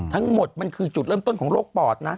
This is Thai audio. ทั้งหมดมันคือจุดเริ่มต้นของโรคปอดนะ